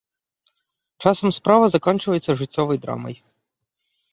Часам справа заканчваецца жыццёвай драмай.